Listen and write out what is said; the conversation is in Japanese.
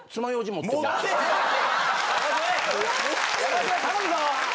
・山添頼むぞ・